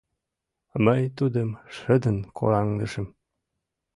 Мый тудым шыдын кораҥдышым: